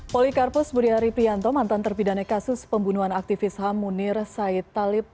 polikarpus budiari prianto mantan terpidane kasus pembunuhan aktivis ham munir said talib